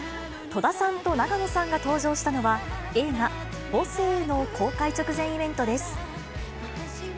戸田さんと永野さんが登場したのは、映画、母性の公開直前イベントです。